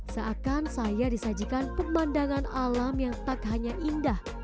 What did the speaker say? seakan saya disajikan pemandangan alam yang tak hanya indah